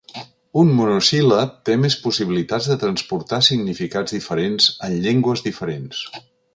Un monosíl·lab té més possibilitats de transportar significats diferents en llengües diferents.